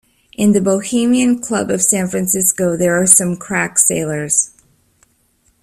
In the Bohemian Club of San Francisco there are some crack sailors.